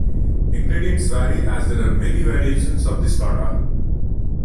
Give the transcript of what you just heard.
Ingredients vary as there are many variations of this torta.